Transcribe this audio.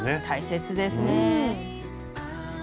大切ですね。